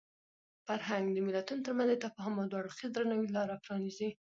فرهنګ د ملتونو ترمنځ د تفاهم او دوه اړخیز درناوي لاره پرانیزي.